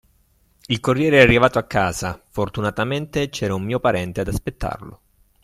Il corriere è arrivato a casa, fortunatamente c'era un mio parente ad aspettarlo.